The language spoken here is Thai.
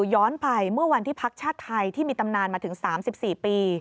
ย้อนไปเมื่อวันที่พักชาติไทยที่มีตำนานมาถึง๓๔ปี